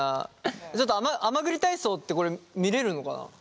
ちょっと甘栗体操ってこれ見れるのかな？